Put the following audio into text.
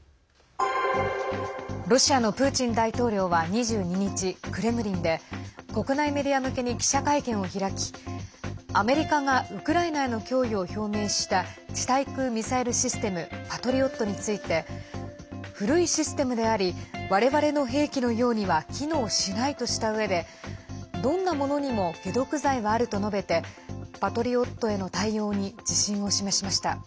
ロシアのプーチン大統領は２２日、クレムリンで国内メディア向けに記者会見を開きアメリカがウクライナへの供与を表明した地対空ミサイルシステム「パトリオット」について古いシステムであり我々の兵器のようには機能しないとしたうえでどんなものにも解毒剤はあると述べて「パトリオット」への対応に自信を示しました。